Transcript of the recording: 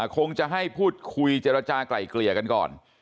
คงจะให้พูดคุยเจรจากลายเกลี่ยกันก่อน